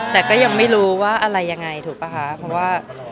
แต่ก็ยังไม่รู้ว่าอะไรยังไงถูกป่ะค่ะ